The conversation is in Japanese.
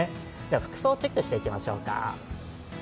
服装をチェックしていきましょうか。